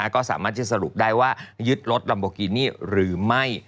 ก็สามารถจะสรุปได้ว่ายึดรถลัมโบกินี่หรือไม่